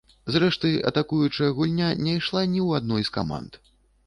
Зрэшты, атакуючая гульня не ішла ні ў адной з каманд.